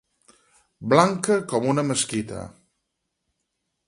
Blanca com una mesquita.